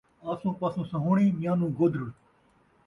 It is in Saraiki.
آسوں پاسوں سہوݨی، میانوں گُدڑ